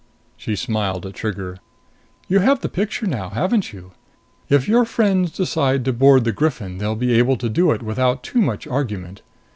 She smiled at Trigger. "You have the picture now, haven't you? If your friends decide to board the Griffin, they'll be able to do it without too much argument.